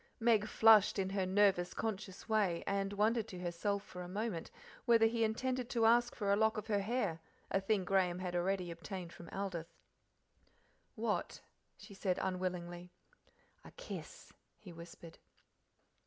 Meg flushed in her nervous, conscious way, and wondered to herself for a moment whether he intended to ask for a lock of her hair, a thing Graham had already obtained from Aldith. "What?" she said unwillingly. "A kiss," he whispered.